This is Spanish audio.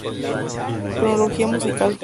Cronología musical